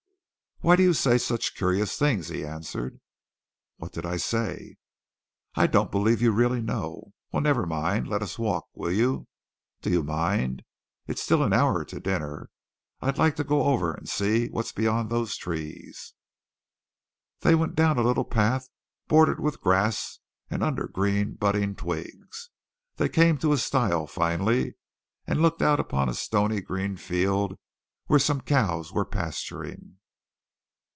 "Why do you say such curious things?" he answered. "What did I say?" "I don't believe you really know. Well, never mind. Let us walk, will you? Do you mind? It's still an hour to dinner. I'd like to go over and see what's beyond those trees." They went down a little path bordered with grass and under green budding twigs. It came to a stile finally and looked out upon a stony green field where some cows were pasturing.